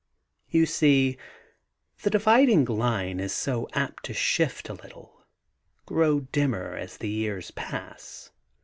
You see, the dividing line is so apt to shift a little, grow dinmier, as the years pass.